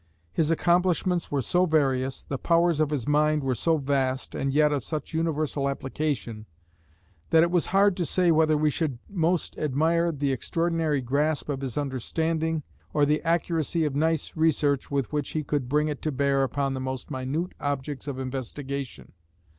His accomplishments were so various, the powers of his mind were so vast, and yet of such universal application, that it was hard to say whether we should most admire the extraordinary grasp of his understanding, or the accuracy of nice research with which he could bring it to bear upon the most minute objects of investigation.